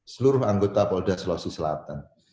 seluruh anggota polda sulawesi selatan